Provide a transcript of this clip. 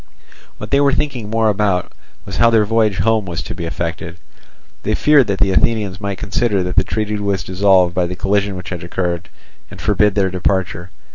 What they were thinking more about was how their voyage home was to be effected; they feared that the Athenians might consider that the treaty was dissolved by the collision which had occurred, and forbid their departure.